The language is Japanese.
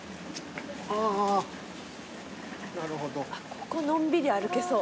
ここのんびり歩けそう。